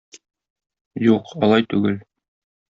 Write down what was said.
Юк, алай түгел.